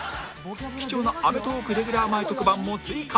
貴重な『アメトーーク』レギュラー前特番も追加